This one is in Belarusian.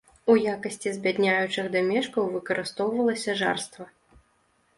У якасці збядняючых дамешкаў выкарыстоўвалася жарства.